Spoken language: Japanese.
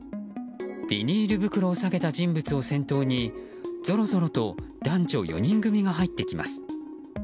ビニール袋を提げた人物を先頭にぞろぞろと男女４人組が入ってきます。